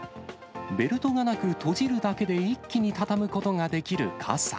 ベルトがなく、閉じるだけで一気に畳むことができる傘。